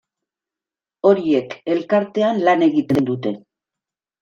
Horiek elkartean lan egiten dute.